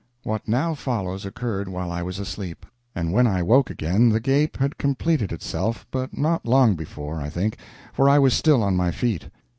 What now follows occurred while I was asleep; and when I woke again the gape had completed itself, but not long before, I think, for I was still on my feet.